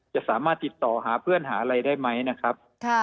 จะสามารถติดต่อหาเพื่อนหาอะไรได้ไหมนะครับ